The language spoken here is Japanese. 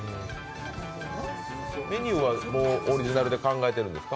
メニューはオリジナルで考えてるんですか？